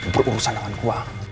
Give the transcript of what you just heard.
berurusan dengan gue